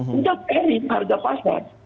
sudah kering harga pasar